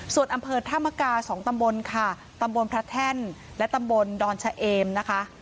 ส่วนอำเภอธามกา๒ตำบลค่ะตำบลพระแท่นและตำบลดอนชะเอมนะคะ